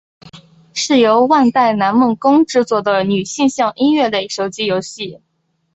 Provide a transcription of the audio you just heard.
是由万代南梦宫制作的女性向音乐类手机游戏。